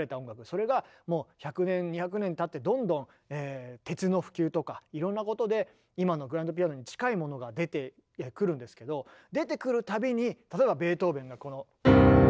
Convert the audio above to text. それがもう１００年２００年たってどんどん鉄の普及とかいろんなことで今のグランドピアノに近いものが出てくるんですけど出てくるたびに例えばベートーヴェンがこの。